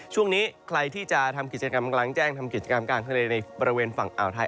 ช่วงนี้ใครที่จะทำการกำลังแจ้งฯผณฑ์กลางเข้าในฝั่งอ่าวไทย